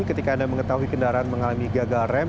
ketika anda mengetahui kendaraan mengalami gagal rem